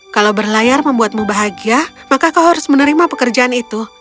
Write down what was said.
kalau berlayar membuatmu bahagia maka kau harus menerima pekerjaan itu